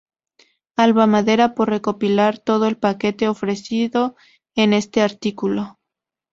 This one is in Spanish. Alba Madera por recopilar todo el paquete ofrecido en este artículo.